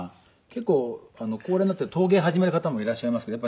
結構高齢になって陶芸始める方もいらっしゃいますけど。